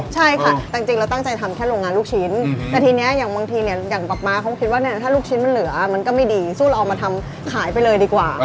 ใช่ค่ะจริงเราตั้งใจทำแค่โรงงานลูกชิ้นแต่ทีนี้อย่างบางทีเนี่ยอย่างป๊าม้าเขาคิดว่าถ้าลูกชิ้นมันเหลือมันก็ไม่ดีสู้เราเอามาทำขายไปเลยดีกว่า